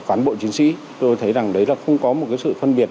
cán bộ quân giáo rất sắp xếp nằm ở chỗ rạng hơn má trị bình duyên